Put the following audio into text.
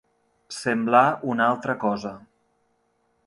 Semblar una altra cosa.